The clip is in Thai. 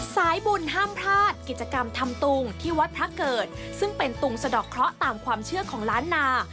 สายบุญห้ามพลาดกิจกรรมทำตุงที่วัดพระเกิดซึ่งเป็นตุงสะดอกเคราะห์ตามความเชื่อของล้านนา